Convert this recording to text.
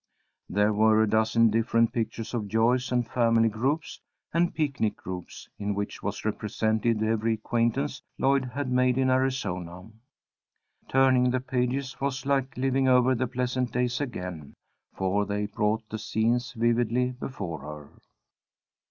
There were a dozen different pictures of Joyce, and family groups, and picnic groups, in which was represented every acquaintance Lloyd had made in Arizona. Turning the pages was like living over the pleasant days again, for they brought the scenes vividly before her.